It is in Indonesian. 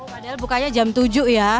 padahal bukanya jam tujuh ya